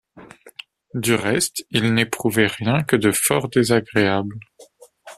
Du reste il n’éprouvait rien que de fort désagréable.